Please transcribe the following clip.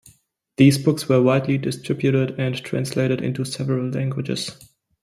These books were widely distributed and translated into several languages.